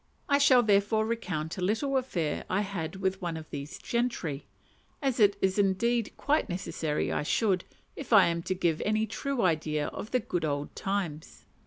I shall, therefore, recount a little affair I had with one of these gentry; as it is indeed quite necessary I should, if I am to give any true idea of "the good old times."